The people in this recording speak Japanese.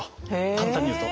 簡単に言うと。